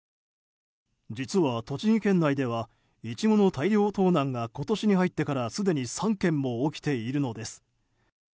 実は栃木県内ではイチゴの大量盗難が今年に入ってからすでに３件も起きているのです。